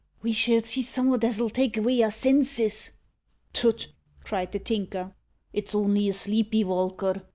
"We shall see summat as'll take avay our senses." "Tut!" cried the Tinker; "it's only a sleepy valker.